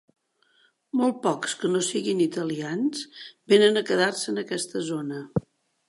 Molts pocs que no siguin italians venen a quedar-se en aquesta zona.